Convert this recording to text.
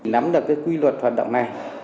nắm được quy luật hoạt động này